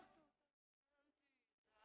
ini bu dompetnya